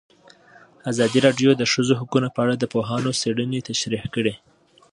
ازادي راډیو د د ښځو حقونه په اړه د پوهانو څېړنې تشریح کړې.